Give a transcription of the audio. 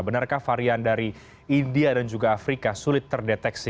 benarkah varian dari india dan juga afrika sulit terdeteksi